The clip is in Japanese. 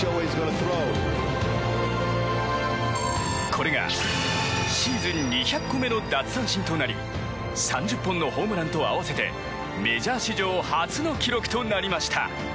これがシーズン２００個目の奪三振となり３０本のホームランと合わせてメジャー史上初の記録となりました。